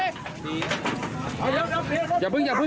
ขยับกินก่อน